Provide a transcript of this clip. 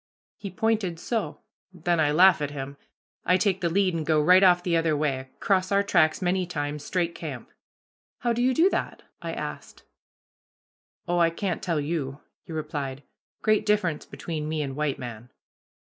"He pointed so. Then I laugh at him. I take the lead and go right off the other way, cross our tracks many times, straight camp." "How do you do that?" asked I. "Oh, I can't tell you," he replied. "Great difference between me and white man."